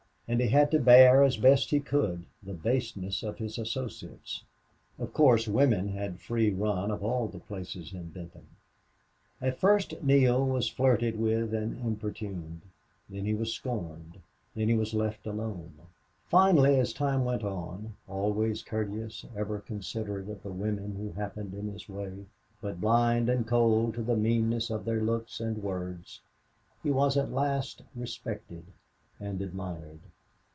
And he had to bear as best he could the baseness of his associates; of course, women had free run of all the places in Benton. At first Neale was flirted with and importuned. Then he was scorned. Then he was let alone. Finally, as time went on, always courteous, even considerate of the women who happened in his way, but blind and cold to the meaning of their looks and words, he was at last respected and admired.